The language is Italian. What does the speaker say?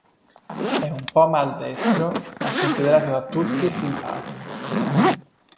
È un po' maldestro ma è considerato da tutti simpatico.